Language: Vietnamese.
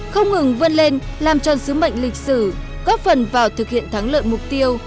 không ngừng vươn lên làm tròn sứ mệnh lịch sử góp phần vào thực hiện thắng lợi mục tiêu